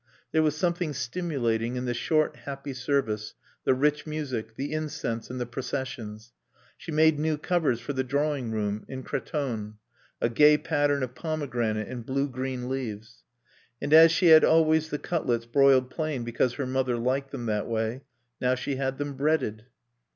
There was something stimulating in the short, happy service, the rich music, the incense, and the processions. She made new covers for the drawing room, in cretonne, a gay pattern of pomegranate and blue green leaves. And as she had always had the cutlets broiled plain because her mother liked them that way, now she had them breaded.